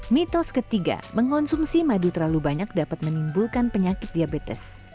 mitos ketiga mengonsumsi madu terlalu banyak dapat menimbulkan penyakit diabetes